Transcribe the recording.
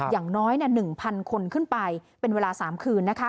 อย่างน้อย๑๐๐คนขึ้นไปเป็นเวลา๓คืนนะคะ